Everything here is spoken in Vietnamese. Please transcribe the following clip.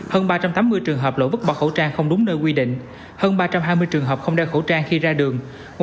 hơn ba trăm tám mươi trường hợp lỗi vứt bỏ khẩu trang không đúng nơi quy định hơn ba trăm hai mươi trường hợp không đeo khẩu trang khi ra đường